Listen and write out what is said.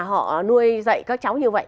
họ nuôi dạy các cháu như vậy